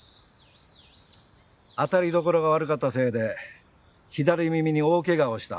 当たりどころが悪かったせいで左耳に大けがをした。